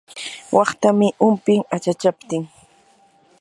waqtamii humpin achachaptin.